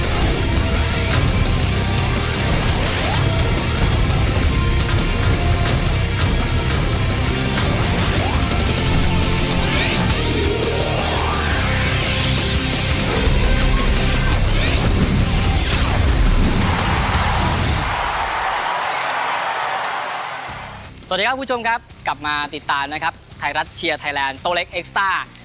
สวัสดีครับคุณผู้ชมครับกลับมาติดตามนะครับไทยรัฐเชียร์ไทยแลนด์โตเล็กเอ็กซ์ต้า